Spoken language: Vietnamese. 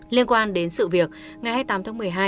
liên quan đến sự việc ngày hai mươi tám tháng một mươi hai